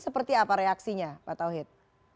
seperti apa reaksinya pak tauhid